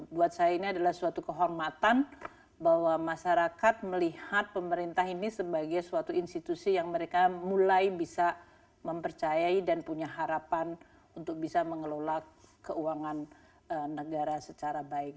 buat saya ini adalah suatu kehormatan bahwa masyarakat melihat pemerintah ini sebagai suatu institusi yang mereka mulai bisa mempercayai dan punya harapan untuk bisa mengelola keuangan negara secara baik